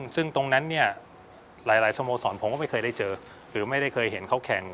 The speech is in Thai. ซึ่งตรงนั้นเนี่ยหลายสโมสรผมก็ไม่เคยได้เจอหรือไม่ได้เคยเห็นเขาแข่ง